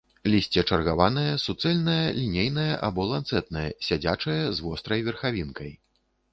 Лісце чаргаванае, суцэльнае, лінейнае або ланцэтнае, сядзячае, з вострай верхавінкай.